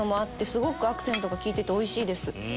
すごくアクセントが効いてておいしいです。